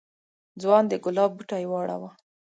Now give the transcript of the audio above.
ځوان د گلاب بوټی واړاوه.